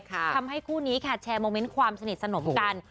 ทำให้คู่นี้ค่ะแชร์โมเมนต์ความสนิทสนมกัน